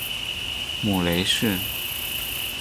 母雷氏。